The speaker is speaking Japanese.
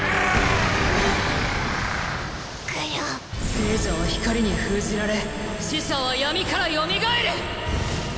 生者は光に封じられ死者は闇からよみがえる！